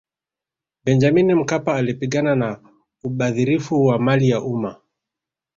benjamini mkapa alipigana na ubadhirifu wa mali ya umma